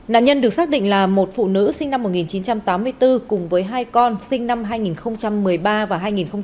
nạn nhân được xác định là một phụ nữ sinh năm một nghìn chín trăm tám mươi bốn cùng với hai con sinh năm hai nghìn một mươi ba và hai nghìn một mươi bảy